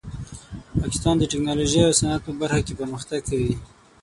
پاکستان د ټیکنالوژۍ او صنعت په برخه کې پرمختګ کوي.